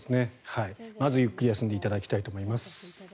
まずゆっくり休んでいただきたいと思います。